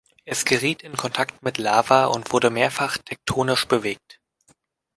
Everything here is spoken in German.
Es geriet in Kontakt mit Lava und wurde mehrfach tektonisch bewegt.